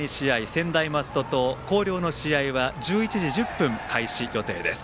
専大松戸と広陵の試合は１１時１０分開始予定です。